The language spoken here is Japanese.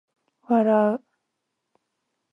笑う